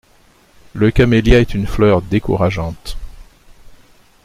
Le camélia est une fleur décourageante.